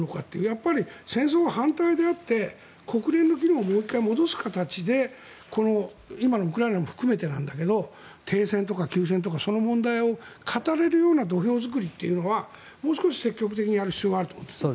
やっぱり戦争は反対であって国連の議論をもう１回戻す形で今のウクライナも含めてだけど停戦とか休戦とかその問題を語れるような土俵作りはもう少し積極的にやる必要があると思うんですね。